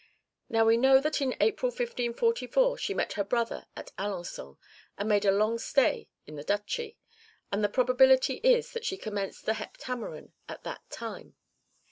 Now we know that in April 1544 she met her brother at Alençon, and made a long stay in the duchy, and the probability is that she commenced the Heptameron at that time.